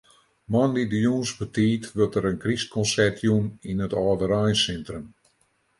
Moandei de jûns betiid wurdt der in krystkonsert jûn yn it âldereinsintrum.